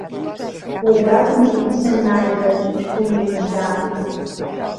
Уажәакәымзи иԥсы анааигаз, ҷкәына мыжда!